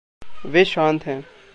वे शांत हैं।